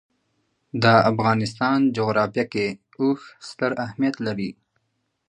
د افغانستان جغرافیه کې اوښ ستر اهمیت لري.